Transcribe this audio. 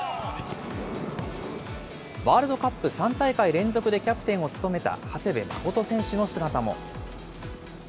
ワールドカップ３大会連続でキャプテンを務めた長谷部誠選手の姿も。